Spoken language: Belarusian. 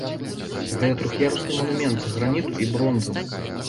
Гэта трох'ярусны манумент з граніту і бронзы.